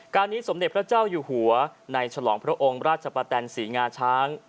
การนี้สมเด็จพระเจ้าอยู่หัวในฉลองพระองค์ราชปะแตนศรีงาช้าง